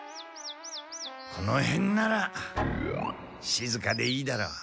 このへんならしずかでいいだろう。